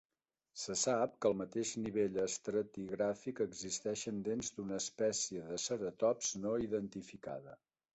Se sap que al mateix nivell estratigràfic existeixen dents d'una espècie de ceratops no identificada.